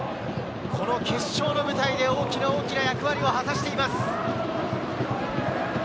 この決勝の舞台で大きな大きな役割を果たしています。